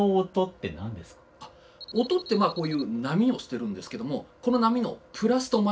音ってこういう波をしてるんですけどもこの波のプラスとマイナスの成分